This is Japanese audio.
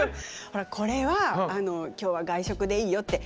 ほらこれは今日は外食でいいよって。